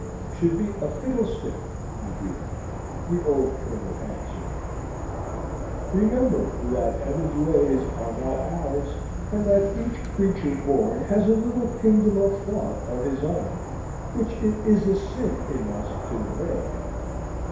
"Should be a fiddlestick, my dear," the old Colonel answered. "Remember that Heaven's ways are not ours, and that each creature born has a little kingdom of thought of his own, which it is a sin in us to invade.